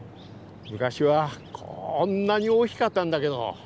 昔はこんなに大きかったんだけど。